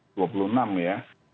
yang sudah berulang ya